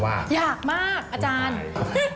อยากมากอาจารย์